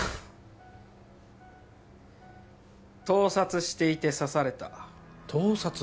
盗撮していて刺された盗撮？